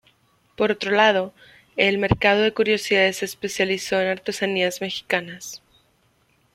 Por otro lado, el mercado de curiosidades se especializó en artesanías mexicanas.